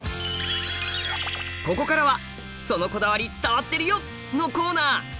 ここからは「“そのこだわり”伝わってるよ！」のコーナー！